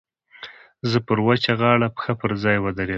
زه پر وچه غاړه پښه پر ځای ودرېدم.